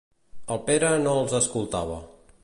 El Pere no els escoltava.